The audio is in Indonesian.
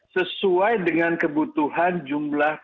sesuai dengan kebutuhan jumlah